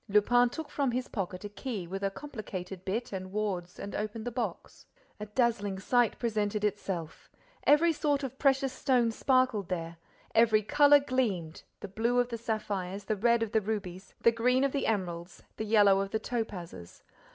Lupin took from his pocket a key with a complicated bit and wards and opened the box. A dazzling sight presented itself. Every sort of precious stone sparkled there, every color gleamed, the blue of the sapphires, the red of the rubies, the green of the emeralds, the yellow of the topazes.